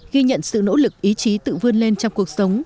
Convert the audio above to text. ghi nhận sự nỗ lực ý chí tự vươn lên trong cuộc sống